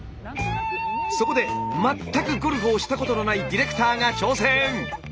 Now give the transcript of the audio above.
そこで全くゴルフをしたことのないディレクターが挑戦！